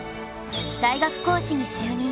大学講師に就任。